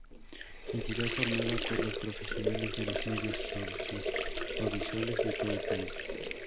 Entidad formada por los profesionales de los medios audiovisuales de todo el país.